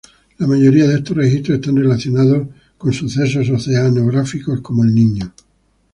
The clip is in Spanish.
La mayoría de estos registros están relacionados con eventos oceanográficos como "El Niño".